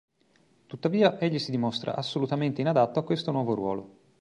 Tuttavia, egli si dimostra assolutamente inadatto a questo nuovo ruolo.